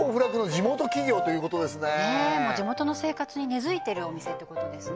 地元の生活に根付いてるお店ってことですね